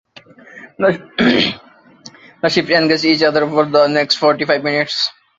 The ships engaged each other for the next forty-five minutes.